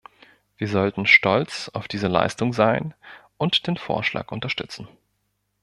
Wir sollten stolz auf diese Leistung sein und den Vorschlag unterstützen.